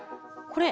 これ？